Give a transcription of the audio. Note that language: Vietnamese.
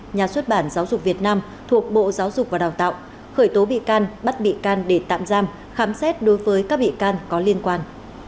nhà xuất bản giáo dục việt nam thuộc bộ giáo dục và đào tạo khởi tố bị can bắt bị can để tạm giam khám xét đối với các bị can có liên quan